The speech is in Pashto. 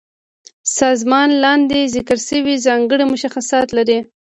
سازمان لاندې ذکر شوي ځانګړي مشخصات لري.